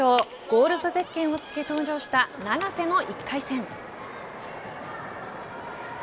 ゴールドゼッケンを着け登場した永瀬の１回戦。